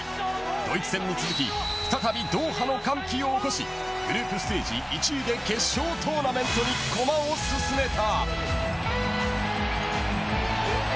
ドイツ戦に続き再びドーハの歓喜を起こしグループステージ１位で決勝トーナメントに駒を進めた。